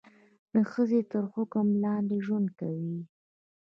د ښځې تر حکم لاندې ژوند کوي.